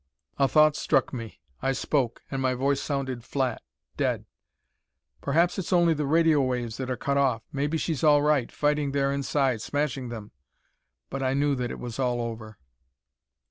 A thought struck me. I spoke, and my voice sounded flat, dead. "Perhaps it's only the radio waves that are cut off. Maybe she's all right, fighting there inside, smashing them." But I knew that it was all over.